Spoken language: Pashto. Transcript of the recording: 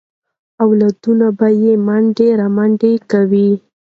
اولادونه به یې منډې رامنډې کوي.